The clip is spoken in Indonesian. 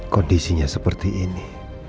kondisinya seperti ini